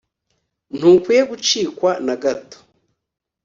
ntukwiye gucikwa n’agato.